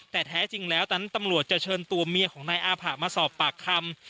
แต่แท้จริงแล้วนั้นตำรวจจะเชิญตัวเมียของนายอาผะมาสอบปากคำ